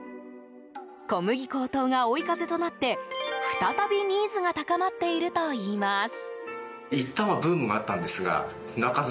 小麦高騰が追い風となって再びニーズが高まっているといいます。